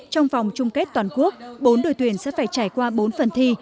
trong vòng chung kết toàn quốc bốn đội tuyển sẽ phải trải qua bốn phần thi